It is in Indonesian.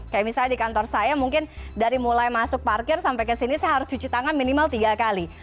kayak misalnya di kantor saya mungkin dari mulai masuk parkir sampai ke sini saya harus cuci tangan minimal tiga kali